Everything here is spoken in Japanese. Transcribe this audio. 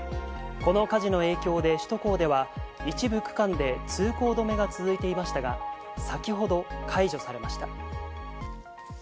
この火事の影響で首都高では一部区間で通行止めが続いていましたが、先ほど解除されました。